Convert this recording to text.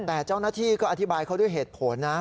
แต่เจ้าหน้าที่ก็อธิบายเขาด้วยเหตุผลนะ